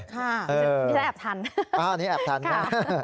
ค่ะไม่ใช่แอบทันนี่แอบทันนะ